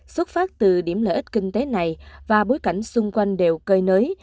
xuất phát từ điểm lợi ích kinh tế này và bối cảnh xung quanh đều cơi nới